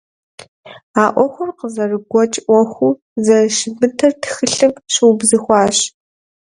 А Ӏуэхур къызэрыгуэкӀ Ӏуэхуу зэрыщымытыр тхылъым щыубзыхуащ.